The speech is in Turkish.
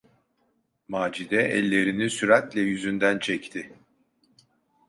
Macide ellerini süratle yüzünden çekti.